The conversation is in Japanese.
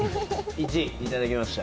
１位いただきました。